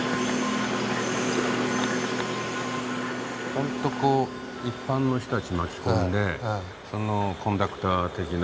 ほんとこう一般の人たち巻き込んでそのコンダクター的な。